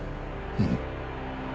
うん。